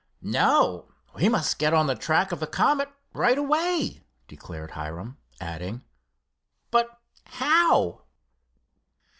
"No, we must get on the track of the Comet right away," declared Hiram, adding, "but how?"